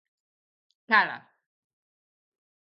¡Cala!